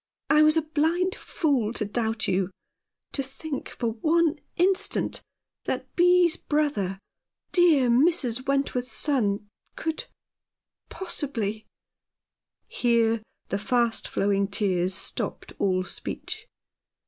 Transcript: I was a blind fool to doubt you — to think — for one instant — that Bee's brother — dear Mrs. Wentworth's son — could — possibly " Here the fast flowing tears stopped all speech.